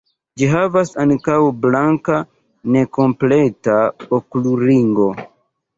Ĝi havas ankaŭ blanka nekompleta okulringo.